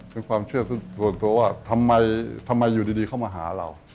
เป็นความเชื่อส่วนตัวว่าทำไมอยู่ดีเข้ามาหาเรา